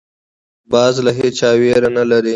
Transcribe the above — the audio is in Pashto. باز له هېچا ویره نه لري